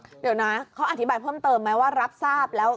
เดี๋ยวนะเขาอธิบายเพิ่มเติมไหมว่ารับทราบแล้ว